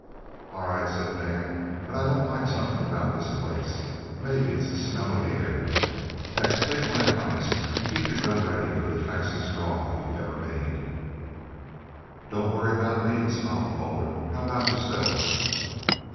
"All right," said Dan, "but I don't like somethin' about this place maybe it's the smell of the air. Tex, take my advice an' keep your gun ready for the fastest draw you ever made." "Don't worry about me," smiled Calder. "How about yourself?"